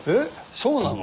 そうなの？